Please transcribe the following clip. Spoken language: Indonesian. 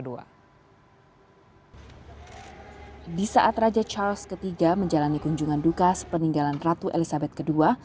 di saat raja charles iii menjalani kunjungan duka sepeninggalan ratu elizabeth ii